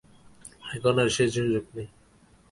এখন আর সে সুযোগ নাই।